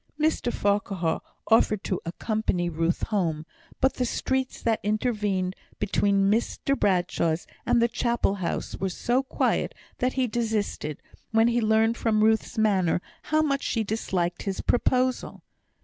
Mr Farquhar offered to accompany Ruth home; but the streets that intervened between Mr Bradshaw's and the Chapel house were so quiet that he desisted, when he learnt from Ruth's manner how much she disliked his proposal.